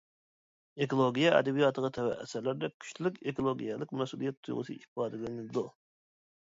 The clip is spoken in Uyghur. ئېكولوگىيە ئەدەبىياتىغا تەۋە ئەسەرلەردە كۈچلۈك ئېكولوگىيەلىك مەسئۇلىيەت تۇيغۇسى ئىپادىلىنىدۇ.